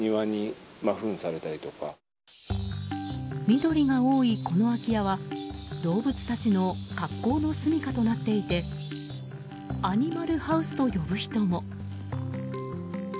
緑が多いこの空き家は動物たちの格好のすみかとなっていてアニマルハウスと呼ぶ人も。